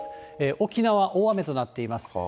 沖縄、大雨となっています。